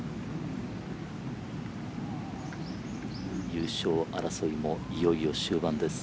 優勝争いもいよいよ終盤です。